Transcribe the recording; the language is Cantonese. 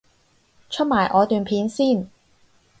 出埋我段片先